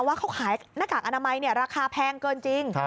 ว่าเขาขายหน้ากากอนามัยราคาแพงเกินจริง